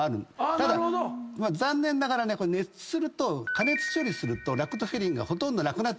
ただ残念ながら熱すると加熱処理するとラクトフェリンがほとんどなくなる。